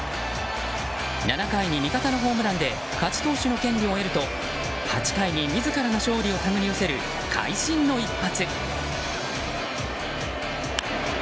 ７回に味方のホームランで勝ち投手の権利を得ると８回に自らの勝利を手繰り寄せる会心の一発。